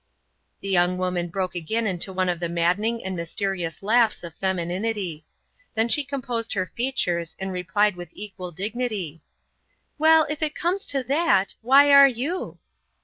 The young woman broke again into one of the maddening and mysterious laughs of femininity. Then she composed her features, and replied with equal dignity: "Well, if it comes to that, why are you?"